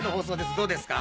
どうですか？